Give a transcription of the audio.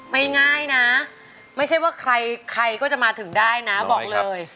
ง่ายนะไม่ใช่ว่าใครก็จะมาถึงได้นะบอกเลย